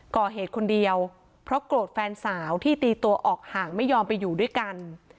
ก่อเหตุคนเดียวเพราะโกรธแฟนสาวที่ตีตัวออกห่างไม่ยอมไปอยู่ด้วยกัน